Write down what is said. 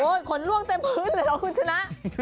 ขนล่วงเต็มพื้นเลยเหรอคุณชนะ